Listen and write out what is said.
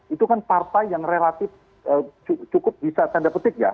itu kan partai yang relatif cukup bisa tanda petik ya